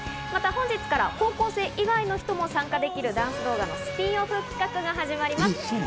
本日から高校生以外の人も参加できるダンス動画のスピンオフ企画が始まります。